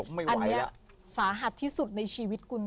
อันนี้สาหัสที่สุดในชีวิตคุณ